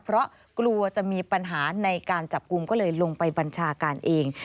เพราะกลัวจะมีปัญหาในการจับกลุ่มก็เลยลงไปบัญชาการเอง